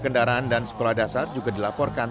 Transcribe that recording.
kendaraan dan sekolah dasar juga dilaporkan